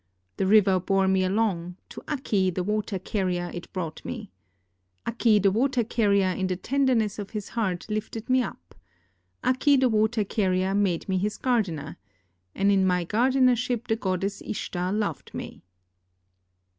The river bore me along; to Akki the water carrier it brought me. Akki the water carrier in the tenderness of his heart lifted me up. Akki the water carrier made me his gardener. And in my gardenership the goddess Ishtar loved me."